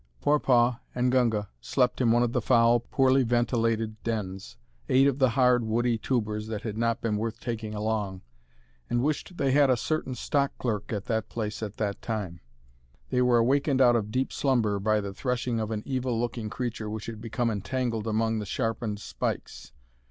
Forepaugh and Gunga slept in one of the foul, poorly ventilated dens, ate of the hard, woody tubers that had not been worth taking along, and wished they had a certain stock clerk at that place at that time. They were awakened out of deep slumber by the threshing of an evil looking creature which had become entangled among the sharpened spikes.